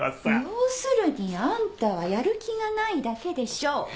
要するにあんたはやる気がないだけでしょ！